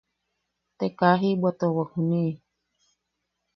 Te kaa jiʼibwatuawak juniiʼi.